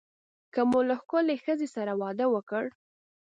که مو له ښکلې ښځې سره واده وکړ.